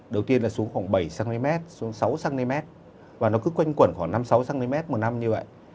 đầu tiên là xuống khoảng bảy cm xuống sáu cm và nó cứ quanh quẩn khoảng năm sáu cm một năm như vậy